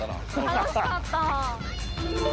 楽しかった。